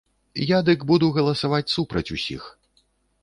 Я, дык буду галасаваць супраць усіх.